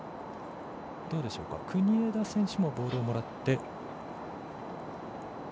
国枝選手もボールもらって。